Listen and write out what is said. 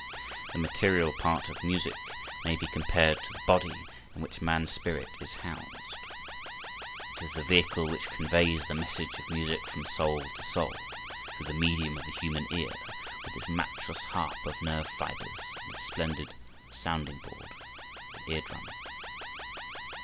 The material part of music may be compared to the body in which man's spirit is housed. It is the vehicle which conveys the message of music from soul to soul through the medium of the human ear with its matchless harp of nerve fibres and its splendid sounding board, the eardrum.